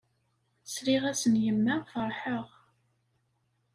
Sliɣ-as n yemma ferḥeɣ.